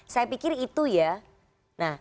saya pikir itu adalah kepentingan kita